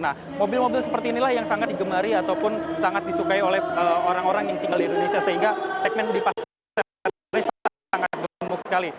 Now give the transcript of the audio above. nah mobil mobil seperti inilah yang sangat digemari ataupun sangat disukai oleh orang orang yang tinggal di indonesia sehingga segmen di pasar ini sangat gemuk sekali